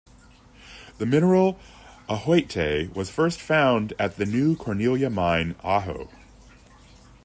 The mineral ajoite was first found at the New Cornelia Mine, Ajo.